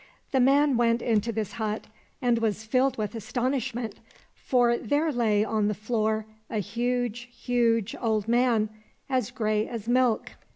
The man went into this hut and was filled with astonishment, for there lay on the floor a 29 COSSACK FAIRY TALES huge, huge old man, as grey as milk.